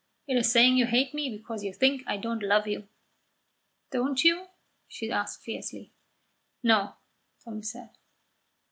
It is saying you hate me because you think I don't love you." "Don't you?" she asked fiercely. "No," Tommy said.